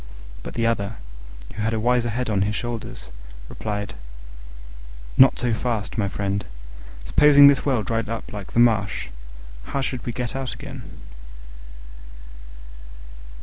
But the other, who had a wiser head on his shoulders, replied, "Not so fast, my friend: supposing this well dried up like the marsh, how should we get out again?"